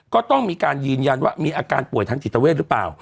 ก็ต้องมีการยืนยันว่ามีอาการป่วยทางจิตเวทหรือเปล่า